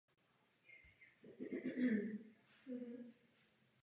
Ani náhodnou!